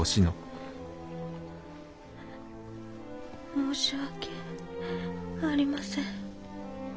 申し訳ありません。